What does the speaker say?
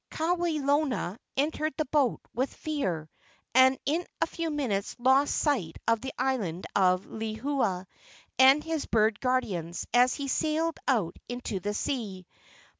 Kawelona entered the boat with fear, and in a few minutes lost sight of the island of Lehua and his bird guardians as he sailed out into the sea.